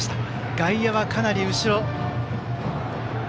外野はかなり後ろ。